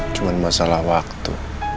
cuma masalah waktu